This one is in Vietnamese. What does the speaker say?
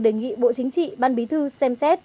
đề nghị bộ chính trị ban bí thư xem xét